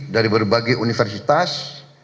dari berbagai universitas